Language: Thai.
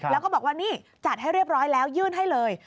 แล้วก็บอกว่านี่จัดให้เรียบร้อยแล้วยื่นให้เลย